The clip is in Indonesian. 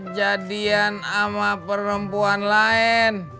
jadian sama perempuan lain